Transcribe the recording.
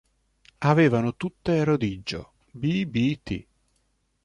Avevano tutte rodiggio "B'B't".